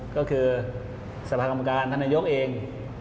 ก็คือสภาคมการธนยกเอง